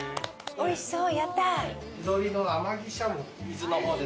おいしそう！